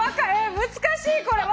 難しいこれ。